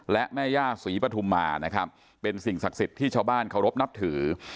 และแม่ย่าศรีปฐุมมานะครับเป็นสิ่งศักดิ์สิทธิ์ที่ชาวบ้านเคารพนับถือ